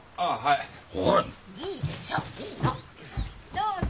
どうぞ。